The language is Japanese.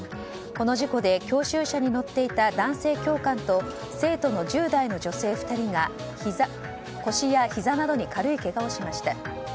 この事故で教習車に乗っていた男性教官と生徒の１０代の女性２人が腰やひざなどに軽いけがをしました。